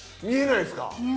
見えないですか？